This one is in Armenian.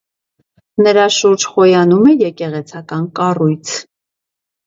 Նրա շուրջ խոյանում է եկեղեցական կառույց։